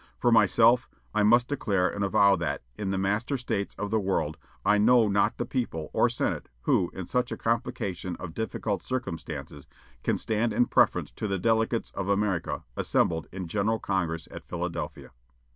For myself, I must declare and avow that, in the master states of the world, I know not the people, or senate, who, in such a complication of difficult circumstances, can stand in preference to the delegates of America assembled in General Congress at Philadelphia."